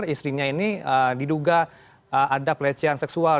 istrinya ini diduga ada pelecehan seksual